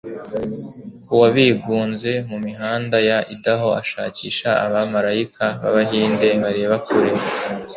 uwabigunze mu mihanda ya idaho ashakisha abamarayika b'abahinde bareba kure